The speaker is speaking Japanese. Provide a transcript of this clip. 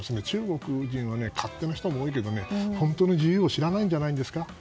中国人は勝手な人も多いけど本当の自由を知らないんじゃないんですか？